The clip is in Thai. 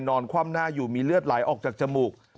คว่ำหน้าอยู่มีเลือดไหลออกจากจมูก